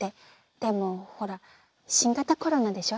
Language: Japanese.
でもほら新型コロナでしょ。